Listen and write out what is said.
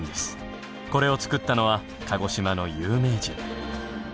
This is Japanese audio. これを作ったのは鹿児島の有名人。